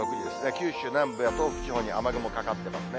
九州南部や東北地方に雨雲かかってますね。